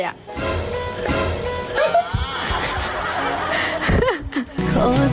มันแอบสร้างเงินอะ